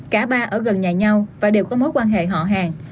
cả ba ở gần nhà nhau và đều có mối quan hệ họ hàng